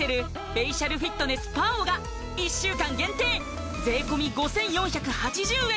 フェイシャルフィットネスＰＡＯが１週間限定税込５４８０円